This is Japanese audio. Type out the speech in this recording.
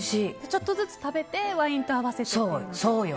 ちょっとずつ食べてワインと合わせてというそうよ！